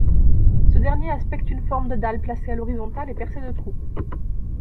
Ce dernier aspecte une forme de dalle placé à l'horizontale et percé de trous.